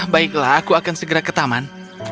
baiklah aku akan segera ke taman